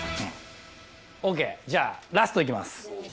オーケーじゃあラストいきます。